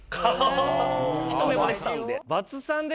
ひと目ぼれしたんで。